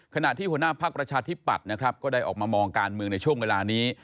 ขณะที่หัวหน้าพักประชาธิปัตย์นะครับก็ได้ออกมามองการเมืองในช่วงเวลานี้